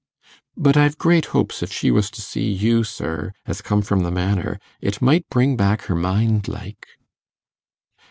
But I've great hopes if she was to see you, sir, as come from the Manor, it might bring back her mind, like.